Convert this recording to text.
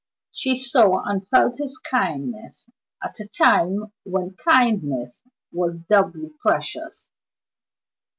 She saw, and felt, his kindness at a time when kindness was doubly precious.